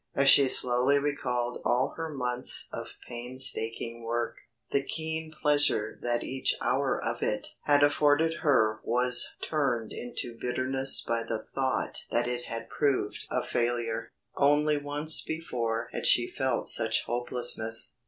As she slowly recalled all her months of painstaking work, the keen pleasure that each hour of it had afforded her was turned into bitterness by the thought that it had proved a failure. Only once before had she felt such hopelessness.